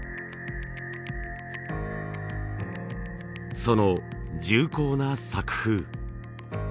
その重厚な作風。